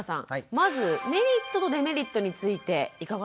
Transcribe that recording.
まずメリットとデメリットについていかがでしょうか？